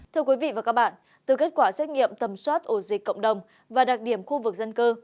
thưa quý vị và các bạn từ kết quả xét nghiệm tầm soát ổ dịch cộng đồng và đặc điểm khu vực dân cư